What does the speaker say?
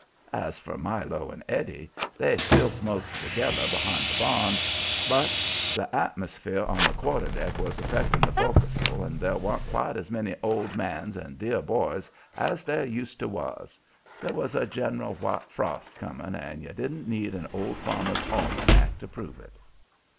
As for Milo and Eddie, they still smoked together behind the barn, but the atmosphere on the quarter deck was affecting the fo'castle and there wa'n't quite so many "old mans" and "dear boys" as there used to was. There was a general white frost coming, and you didn't need an Old Farmer's Almanac to prove it.